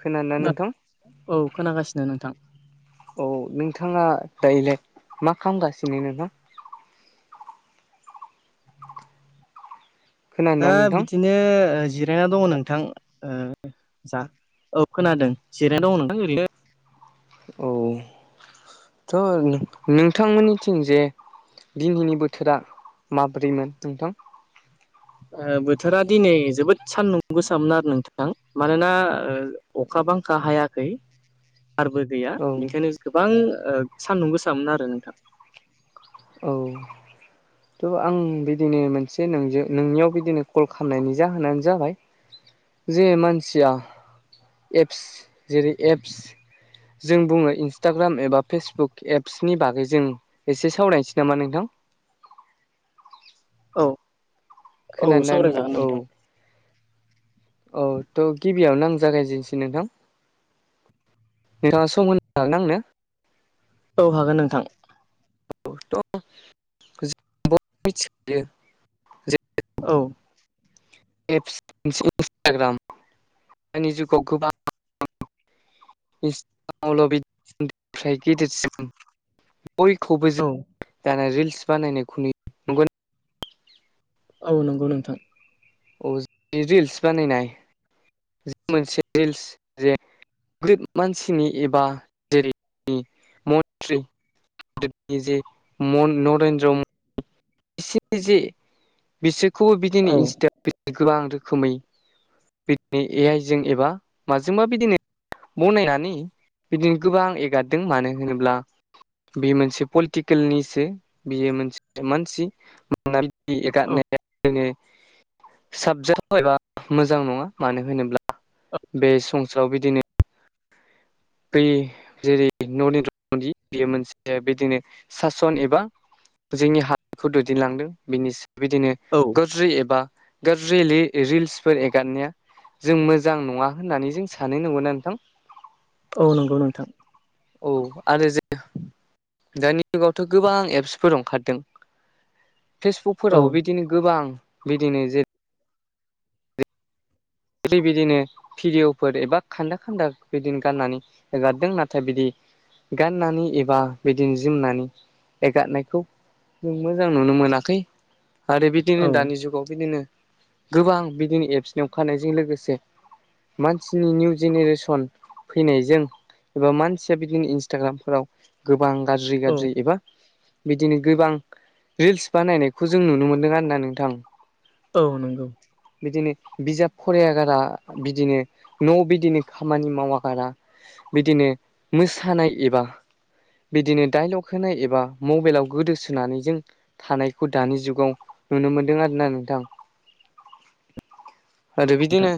खोनादों ना खोना नोंथां। औ खोनागासिनो नोंथां। औ नोंथाङा दायोलाय मा खालामगासिनो नोंहाबो ओ दा खोनादोंना नोंथां बिदिनो जिरायना दङ नोंथां जा औ खोनादों जिरायनो दं नोंथां ओरैनोसो ओ औ थ' नोंथांमोननिथिं जेनि दिनहैनि बोथोरा माब्रैमोन नोंथां। बोथोरा दिनै जोबोद सानदुं गोसामोन आरो नोंथां मानोना अखा बांखा हायाखै आरोबो गैया औ बेनिखायनो गोबां सान्दुं गोसामोन आरो नोंथां। औ। थ' आं बिदिनो मोनसे नोंजों नोंनियाव बिदिनो कल खालामनायनि जाहोनानो जाबाय जे मानसिया एप्स जेरै एप्स जों बुङो इन्सटाग्राम एबा फेसबुक एप्सनि बागै जों एसे सावराय नोसै नामा नोंथां? औ औ खोनादोंना सावराय जागोन औ नोंथां। औ त' गिबियाव नां जागायजेननोसै नोंथां। नोंथाङा सम होनो हागोन आंनो? औ हागोन नोंथां। औ त' मिथिखायो जे [unintelligible] औ एप्स [unintelligible] इन्सटाग्राम दानि जुगाव गोबां [unintelligible] गेदेरसिम बयखौबो औ जों दाना रिल्स बानायनाय नुयो। नंगौ औ नंगौ नोंथां। औ जि रिल्स बानायनाय जे मोनसे रिल्स जे [unintelligible] गोरिब मानसिनि एबा जेरै मन्त्रि [unintelligible] [unintelligible] जे नरेन्द्र म बिसोरनि जे बिसोरखौबो बिदिनो औ इन्सटा फेसबुक गोबां रोखोमै बिदिनो ए आइजों एबा माजों मा बिदिनो बनायनानै बिदिनो गोबां एगारदों मानो होनोब्ला बियो मोनसे पलिटिकेलनिसो बियो मोनमोन [unintelligible] सि मोनोना बिदि औ एगारनाया जोङो [unintelligible] साबजाथाव एबा मोजां नङा मानो होनोब्ला बे सं [unintelligible] साराव बिदिनो बै जेरै नरेन्द्र मदि बियो मोनसे बिदिनो सासन एबा जोंनि हारिखौ दैदेनलांदों बिनि बिदिनो औ गाज्रि एबा गाज्रि लि रिल्सफोर एगारनाया जों मोजां नङा होननानै जों सानो नंगौना नोंथां? औ नंगौ नोंथां। औ आरो जे दानि जुगावथ' गोबां एप्सफोर अखारदों। औ फेसबुकफोराव बिदिनो गोबां बिदिनो जे ओरै बिदिनो भिडिअफोर एबा खान्दा खान्दा बिदिनो गाननानै हेगारदों नाथाय बिदि गाननानै एबा बिदिनो जोमनानै एगारनायखौ जों मोजां नुनो मोनाखै। आरो बिदिनो औ दानि जुगाव बिदिनो गोबां बिदिनो एप्सनि अखारनायजों लोगोसे मानसिनि निउ जेनेरेसन फैनायजों एबा मानसिया बिदिनो इन्सटाग्रामफोराव गोबां गाज्रि औ गाज्रि एबा बिदिनो गोबां रिल्स बानायनायखौ जों नुनो मोन्दों आरोना नोंथां‌। औ नंगौ। बिदिनो बिजाब फराया गारा बिदिनो न' बिदिनो खामानि माव गारा बिदिनो मोसानाय एबा बिदिनो डाइलग होनाय एबा मबेलाव गोदोसोनानै जों थानायखौ दानि जुगाव नुनो मोनदों आरोना नोंथां। आरो बिदिनो नोंथां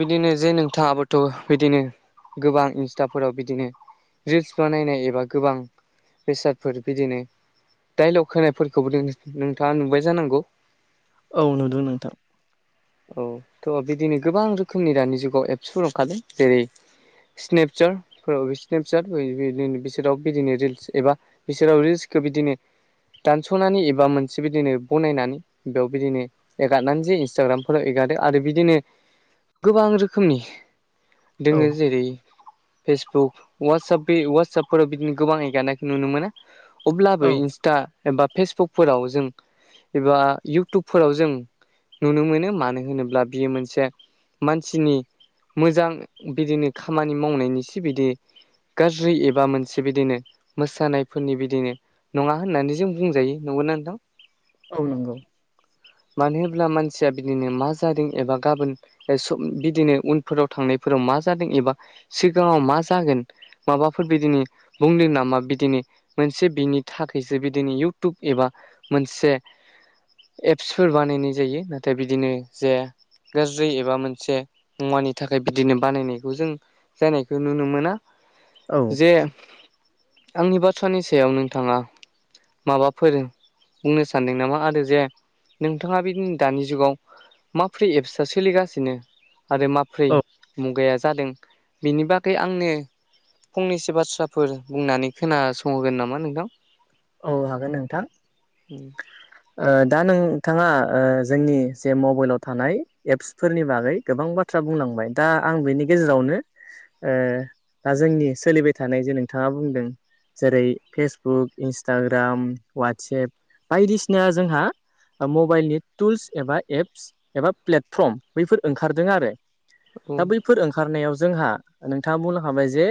बिदिनो जे नोंथाङाबोथ' बिदिनो गोबां इन्स्टाफोराव बिदिनो रिल्स बानायनाय एबा गोबां बेसादफोर बिदिनो डाइलग होनायफोरखौबो नोंथाङा नुबाय जानांगौ। औ नुदों नोंथां औ थ' बिदिनो गोबां रोखोमनि दानि जुगाव एप्सफोर ओंखारादों जेरै स्नेपचारफोराव बे स्नेपचटदि बिसोराव बिदिनो रिल्स एबा बिसोराव रिलसखौ बिदिनो दानस'नानै एबा मोनसे बिदिनो बनायनानै बेयाव बिदिनो एगारनानै जे इन्स्टाग्रामफोराव एगारदो आरो बिदिनो गोबां रोखोमनि औ दङो जेरै फेसबुक वाट्सप बे वाट्सपफोराव बिदिनो गोबां एगारनायखौ नुनो मोनो। अब्लाबो औ इनस टा एबा फेसबुकफोराव जों एबा इउटुबफोराव जों नुनो मोनो मानो होनोब्ला बियो मोनसे मानसिनि मोजां बिदिनो खामानि मावनायनिसो बिदि गाज्रि एबा मोनसे बिदिनो मोसानायफोरनि बिदिनो नङा होननानै जों बुंजायो नंगौना नोंथां? औ नंगौ मानो होनब्ला मानसिया बिदिनो मा जादों एबा गाबोन बिदिनो उनफोराव थांनायफोराव मा जादों एबा सिगाङाव मा जागोन माबाफोर बिदिनि बुंदों नामा बिदिनि मोनसे बिनि थाखायसो बिदिनो इउटुब एबा मोनसे एप्सफोर बानायनाय जायो। नाथाय बिदिनो जेया गाज्रि एबा मोनसे मुवानि थाखाय बिदिनो बानायनायखौ जों जानायखौ नुनो मोना। औ जे आंनि बाथ्रानि सायाव नोंथाङा माबाफोर बुंनो सानदों नामा आरो जे नोंथाङा बिदि दानि जुगाव माब्रै एप्स सोलिगासिनो? आरो माब्रै औ मुगाया जादों बिनि बागै आंनो फंनैसो बाथ्राफोर बुंनानै खोनासंहोगोन नामा नोंथां? औ हागोन नोंथां ओ दा नोंथाङा ओ जोंनि जे मबाइलाव थानाय एपस फोरनि बागै गोबां बाथ्रा बुंलांबाय दा आं बेनि गेजेरावनो ओ दा जोंनि सोलिबाय थानाय जे नोंथाङा बुंदों जेरै फेसबुक इन्सटाग्राम वाट्सेप बायदिसिना जोंहा मबाइलनि टुल्स एबा एप्स एबा प्लेटफर्म बैफोर ओंखारदों आरो। औ दा बैफोर ओंखारनायाव जोंहा नोंथाङा बुंलां खाबाय जे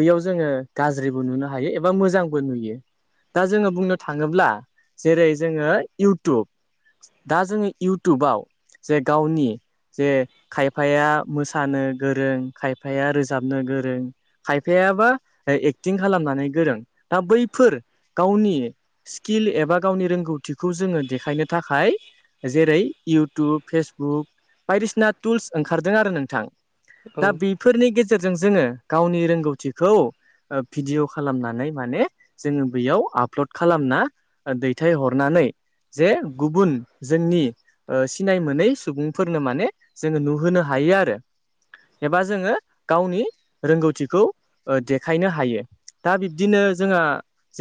बैयाव जोङो गाज्रिबो नुनो हायो एबा मोजांबो नुयो। दा जोङो बुंनो थाङोब्ला जेरै जोङो इउटुब दा जोङो इउटुबाव जे गावनि जे खायफाया मोसानो गोरों खायफाया रोजाबनो गोरों खायफायाबा एक्टिं खालामनानै गोरों दा बैफोर गावनि स्किल एबा गावनि रोंगौथिखौ जोङो देखायनो थाखाय जेरै इउटुब फेसबुक बायदिसिना टुल्स ओंखारदों आरो नोंथां। औ दा बि फोरनि गेजेरजों जोङो गावनि रोंगौथिखौ भिडिय' खालामनानै माने जोङो बेयाव आपलड खालामना दैथायहरनानै जे गुबुन जोंनि जे सिनाय मोनै सुबुंफोरनो माने जोङो नुहोनो हायो आरो। एबा जोङो गावनि रोंगौथिखौ देखायनो हायो। दा बिब्दिनो जोंहा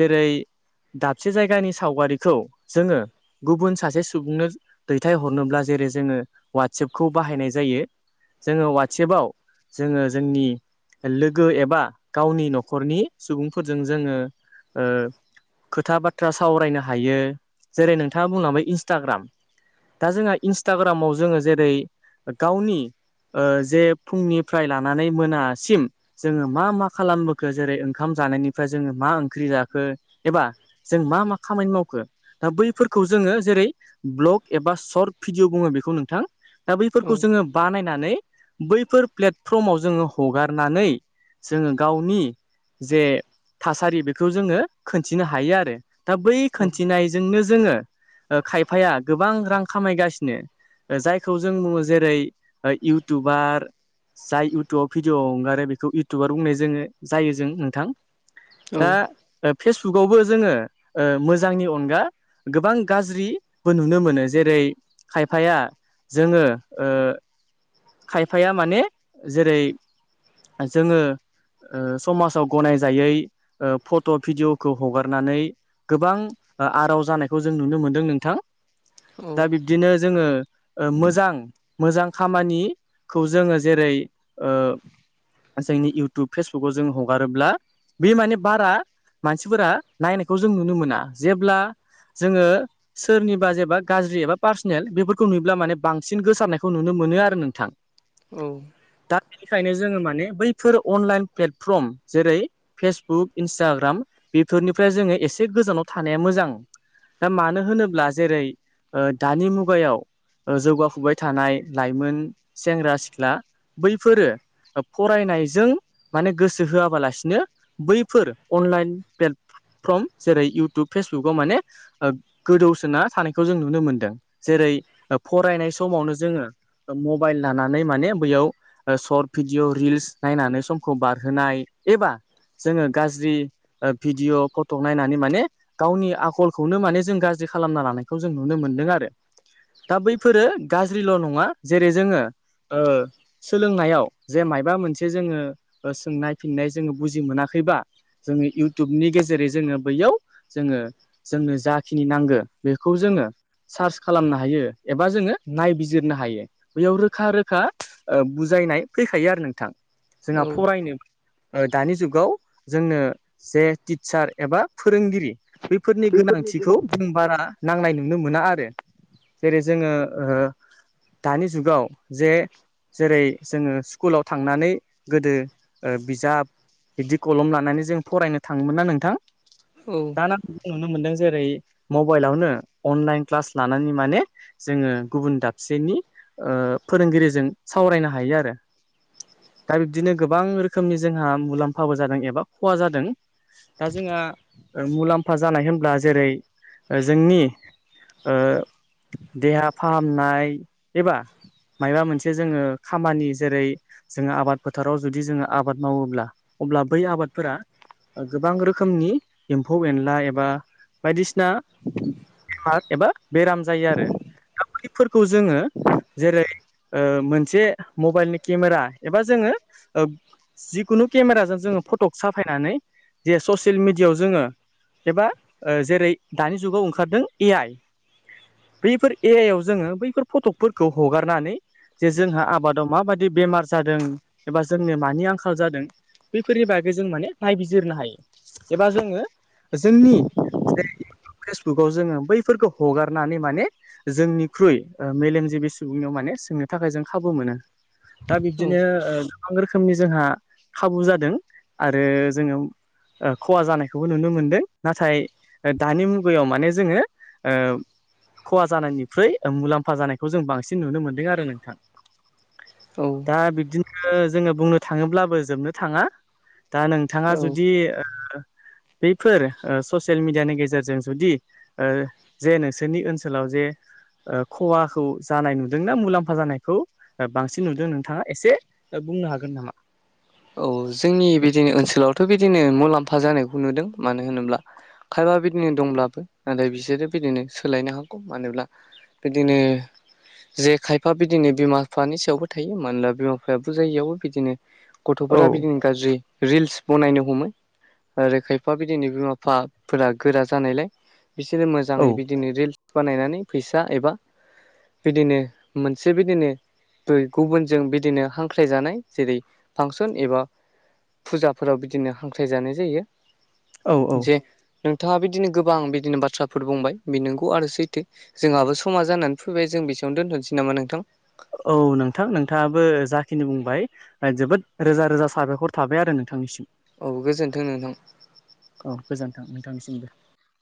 जेरै दाबसे जायगानि सावगारिखौ जोङो गुबुन सासे सुबुंनो दैथाय हरनोब्ला जेरै जोङो वाट्सएपखौ बाहायनाय जायो जोङो वाट्सेएपआव जोङो जोंनि लोगो एबा गावनि नखरनि सुबुंफोरजों जोङो ओ खोथा बाथ्रा सावरायनो हायो जेरै नोंथाङा बुंलांबाय इन्सटाग्राम दा जोंहा इन्सटाग्रामाव जोङो जेरै गावनि जे फुंनिफ्राय लानानै मोनासिम जोङो मा मा खालामबोखो जेरै ओंखाम जानायनिफ्राय जोङो मा ओंख्रि जाखो एबा जों मा मा खामानि मावखो दा बैफोरखौ जोङो जेरै ब्लग एबा शर्ट भिडियअ बुङो बेखौ नोंथां दा औ बैफोरखौ जोङो बानायनानै बैफोर प्लेटफर्माव जोङो हगारनानै जोङो गावनि जे थासारि बेखौ जोङो खोनथिनो हायो आरो दा बै खोनथिनाय बेजोंनो जोङो खायफाया गोबां रां खामायगासिनो जायखौ जों बुङो जेरै इउटुबार जाय इउटुबाव भिडिअ हगारो बेखौ इउटुबार बुंनाय जोङो जायो जों नोंथां औ दा फेसबुकआवबो जोङो मोजांनि अनगा गोबां गाज्रिबो नुनो मोनो जेरै खायफाया जोंङो खायफाया माने जेरै जोंङो समाजाव गनाय गनायजायै फट' भिडिय'खौ हगारनानै गोबां आराव जानायखौ जों नुनो मोनदों नोंथां औ दा बिब्दिनो जोंङो मोजां मोजां खामानिखौ जोंङो जेरै जोंनि इयउटुब फेसबुकाव जों हगारोब्ला बे माने बारा मानसिफोरा नायनायखौ जों नुनो मोना जेब्ला जोंङो सोरनिबा जेबा गाज्रि एबा पार्सनेल बेफोरखौ नुयोब्ला माने बांसिन गोसारनायखौ नुनो मोनो आरो नोंथां औ दा बेनिखायनो जोंङो माने बैफोर अनलाइन प्लेटफर्म जेरै फेसबुक इन्सटाग्राम बेफोरनिफ्राय जोंङो एसे गोजानाव थानाया मोजां दा मानो होनोब्ला जेरै दानि मुगायाव जौगाफुबाय थानाय लाइमोन सेंग्रा सिख्ला बैफोरो फरायनायजों माने गोसो होआबालासिनो बैफोर अनलाइन प्लेटफर्म जेरै इउटुब फेसबुकाव माने गोदौसोना थानायखौ जों नुनो मोनदों जेरै फरायनाय समावनो जोंङो मबाइल लानानै माने बैयाव सर्ट भिडिअ' रिल्स नायनानै समखौ बारहोनाय एबा जोंङो गाज्रि भिडिअ फट' नायनानै माने गावनि आखलखौनो माने जों गाज्रि खालामना लानायखौ जों नुनो मोनदों आरो दा बैफोरो गाज्रिल' नंङा जेरै जोंङो सोलोंनायाव जे मायबा मोनसे जोङो सोंनाय फिननाय जोंङो बुजि मोनाखैबा जोंङो इउटुबनि गेजेरै जोंङो बैयाव जोंङो जोंनो जाखिनि नांगौ बेखौ जोंङो सार्च खालामनो हायो एबा जोङो नायबिजिरनो हायो। बेयाव रोखा रोखा बुजायनाय फैखायो आरो नोंथां जोंहा फरायनो ओ दानि जुगाव जोंनो जे टिचार एबा फोरोंगिरि बेफोरनि गोनांथिखौ जों बारा नांनाय नुनो मोना आरो जेरै जोंङो दानि जुगाव जे जेरै जोंङो स्कुलाव थांनानै गोदो बिजाब बिदि कलम लानानै जों फरायनो थाङोमोन ना नोंथां औ दाना नुनो मोनदों जेरै मबाइलावनो अनलाइन क्लास लानानै माने जोङो गुबुन दाबसेनि ओ फोरोंगिरिजों सावरायनो हायो आरो दा बिब्दिनो गोबां रोखोमनि जोंहा मुलाम्फाबो जादों एबा खहा जादों दा जोंहा मुलाम्फा जानाय होनब्ला जेरै ओ जोंनि ओ देहा फाहामनाय एबा मायबा मोनसे जोङो खामानि जेरै जोङो आबाद फोथाराव जुदि जोङो आबाद मावोब्ला अब्ला बै आबादफोरा गोबां रोखोमनि एम्फौ एनला एबा बायदिसिना बेमार एबा बेराम जायो आरो दा बैफोरखौ जोङो जेरै ओ मोनसे मबाइलनि केमेरा एबा जोङो जिखुनु केमेराजों जोङो फट'क साफायनानै जे ससियेल मिडियायाव जोङो एबा जेरै दानि जुगाव ओंखारदों ए आइ बैफोर एयायाव जोङो बैफोर फटकफोरखौ हगारनानै जे जोंहा आबादाव माबायदि बेमार जादों एबा जोंनो मानि आंखाल जादों बैफोरनि बागै जों माने नायबिजिरनो हायो एबा जोङो जोंनि जाय फेसबुकाव जोङो बैफोरखौ हगारनानै माने जोंनिख्रुइ मेलेमजिबि सुबुंनियाव माने सोंनो थाखाय जों खाबु मोनो दा औ बिब्दिनो ओ गोबां रोखोमनि जोंहा खाबु जादों आरो जोङो ओ खहा जानायखौबो नुनो मोनदों नाथाय दानि मुगायाव माने जोङो ओ खहा जानायनिख्रुय मुलाम्फा जानायखौ जों बांसिन नुनो मोनदों आरो नोंथां दा बिब्दिनो जोङो बुंनो थाङोब्लाबो जोबनो थाङा दा नों थाङा औ जुदि ओ बैफोर ससियेल मिेडियानि गेजेरजों जुदि ओ जे नोंसोरनि ओनसोलाव जे ओ खहाखौ जानाय नुदोंना मुलाम्फा जानायखौ बांसिन नुदों नोंथाङा एसे बुंनो हागोन नामा औ जोंनि बिदिनो ओनसोलावथ' बिदिनो मुलाम्फा जानायखौ नुदों मानो होनोब्ला खायबा बिदिनो दंब्लाबो नाथाय बिसोरो बिदिनो सोलायनो हागौ मानोब्ला बिदिनो जे खायफा बिदिनो बिमा बिफानि सायावबो थायो मानोना बिमा बिफाया बुजायियावबो बिदिनो औ गथ'फोरा बिदिनो गाज्रि रिल्स बनायनो हमो ओरै खायफा बिदिनो बिमा बिफाफोरा गोरा जानायलाय बिसोरो औ मोजाङै बिदि दिनै रिल्स बानायनानै फैसा एबा बिदिनो मोनसे बिदिनो [unintelligible] गुबुनजों बिदिनो हांख्रायजानाय जेरै फांसन एबा फुजाफोराव बिदिनो हांख्राय जानाय जायो औ औ जे नोंथाङा बिदिनो गोबां बिदिनो बाथ्राफोर बुंबाय बे नंगौ आरो सैथो जोंहाबो समा जानानै फैबाय जों बेसेयावनो दोनथ'नोसै नामा नोंथां औ नोंथां नोंथाङाबो जाखिनि बुंबाय ओ जोबोद रोजा रोजा साबायखर थाबाय आरो नोंथांनिसिम औ गोजोन्थों नोंथां औ गोजोन्थों नोंथांनिसिमबो